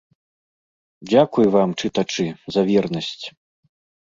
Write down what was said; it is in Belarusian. Дзякуй вам, чытачы, за вернасць!